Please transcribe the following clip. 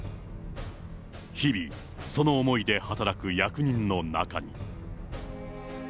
日々、その思いで働く役人の中に。